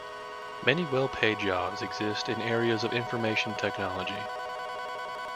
Many well-paid jobs exist in areas of Information technology.